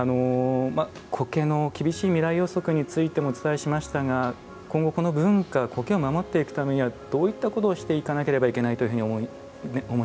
苔の厳しい未来予測についてもお伝えしましたが今後、この文化苔を守っていくためにはどういったことをしていかなければいけない